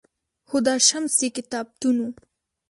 هُدا شمس یې کتابتون و